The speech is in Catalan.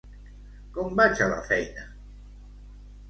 Com vaig a la feina?